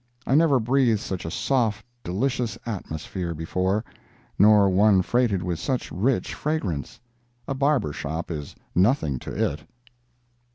I never breathed such a soft, delicious atmosphere before, nor one freighted with such rich fragrance. A barber shop is nothing to it.